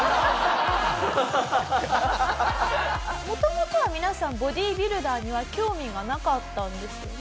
元々は皆さんボディビルダーには興味がなかったんですよね。